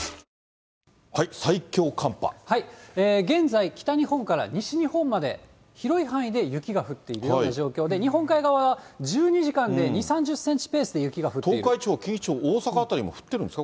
現在、北日本から西日本まで、広い範囲で雪が降っているような状況で、日本海側は１２時間で２、３０センチペースで雪が降っている。